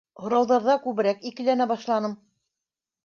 Һорауҙарҙа күберәк икеләнә башланым.